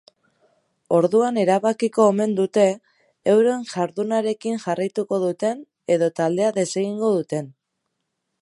Orduan erabakiko omen dute euren jardunarekin jarraituko duten edo taldea desegingo duten.